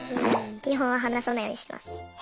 基本話さないようにしてます。